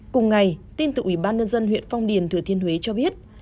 cùng ngày tin tự ủy ban nhân dân huyện phong điền thừa thiên huế cho biết